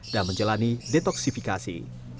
dan menjalani detoksifikasi